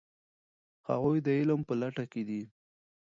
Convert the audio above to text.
هغوی د علم په لټه کې دي.